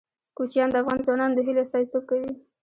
کوچیان د افغان ځوانانو د هیلو استازیتوب کوي.